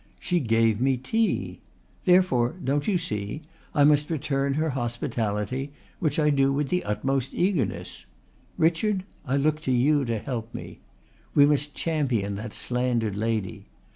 "She gave me tea. Therefore, don't you see, I must return the hospitality, which I do with the utmost eagerness. Richard, I look to you to help me. We must champion that slandered lady.